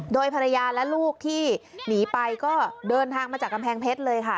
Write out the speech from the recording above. โดยภรรยาและลูกที่หนีไปก็เดินทางมาจากกำแพงเพชรเลยค่ะ